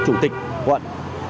chủ tịch quận